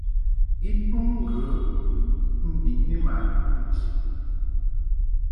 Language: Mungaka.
I tum ŋgə mbiʼni ma tuʼ nchi.